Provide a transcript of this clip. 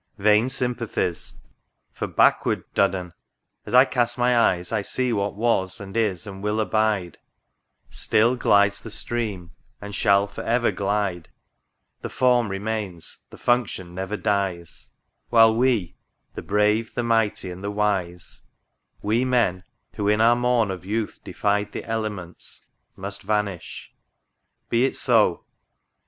— Vain sympathies ! For, backward, Duddon ! as I cast my eyes, I see what was, and is, and will abide ; Still glides the Stream, and shall for ever glide ; The Form remains, the Function never dies ; While we, the brave, the mighty, and the wise, We Men, who in our morn of youth defied The elements, must vanish ;— be it so